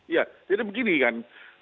ya jadi begini kan